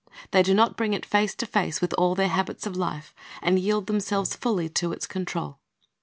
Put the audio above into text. They do not bring it face to face with all their habits of life, and yield themselves fully to its control.